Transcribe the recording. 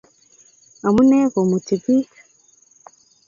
Amune komuti pik?